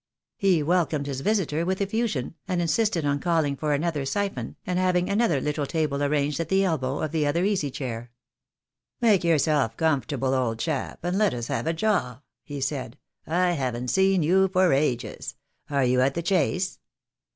He welcomed his visitor with effusion, and insisted on calling for another syphon, and having another little table arranged at the elbow of the other easy chair. "Make yourself comfortable, old chap, and let us have a jaw," he said. "I haven't seen you for ages. Are you at the Chase?"